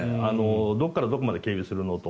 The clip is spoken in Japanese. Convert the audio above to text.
どこからどこまで警備するの？と。